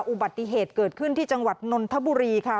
อุบัติเหตุเกิดขึ้นที่จังหวัดนนทบุรีค่ะ